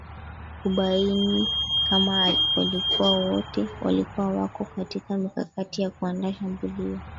kubaina kama walikuwa wako katika mikakati ya kuandaa shambulio